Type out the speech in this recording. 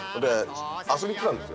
遊びに行ってたんですよ